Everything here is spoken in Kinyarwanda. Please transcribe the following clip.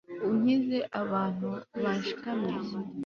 unkize abantu banshikamiye